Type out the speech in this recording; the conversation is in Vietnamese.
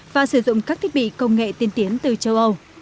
và sử dụng các thiết bị công nghệ tiên tiến từ châu âu